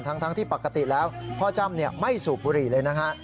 ทั้งที่ปกติแล้วพ่อจ้ำไม่สูบบุหรี่เลยนะฮะ